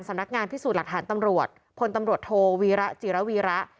สำนักงานพิสูจน์หลักฐานตำรวจพลตำรวจโทวีระจิระวีระ